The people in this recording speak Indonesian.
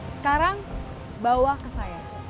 sekarang bawa ke saya